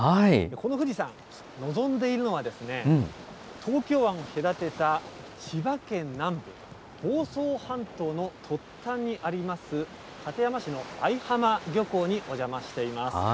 この富士山、臨んでいるのは、東京湾隔てた千葉県南部、房総半島の突端にあります、館山市の相浜漁港にお邪魔しています。